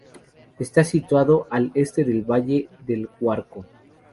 Está situado al este del Valle del Guarco.